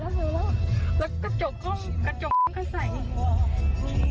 แล้วกระจกก็เขาใส่